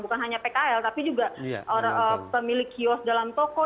bukan hanya pkl tapi juga pemilik kios dalam toko